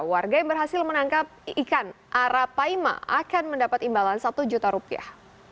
warga yang berhasil menangkap ikan arapaima akan mendapat imbalan satu juta rupiah